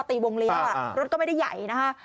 ตีวงเลี้ยวรถก็ไม่ได้ใหญ่นะคะ